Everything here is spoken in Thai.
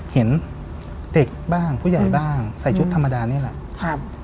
เห็นเด็กบ้างผู้ใหญ่บ้างใส่ชุดธรรมดานี่แหละครับ